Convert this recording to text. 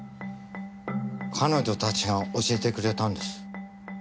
彼女たちが教えてくれたんです。